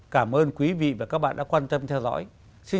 cảm ơn quý vị và các bạn đã quan tâm theo dõi